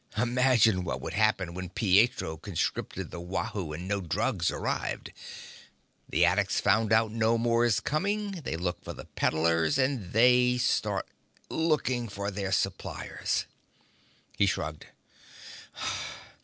Imagine what would happen when Pietro conscripted the Wahoo and no drugs arrived. The addicts find out no more is coming they look for the peddlers and they start looking for their suppliers...." He shrugged.